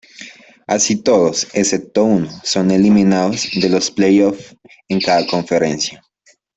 Así, todos excepto uno son eliminados de los playoffs en cada conferencia.